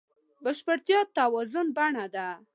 بشپړتیا د توازن بڼه ده.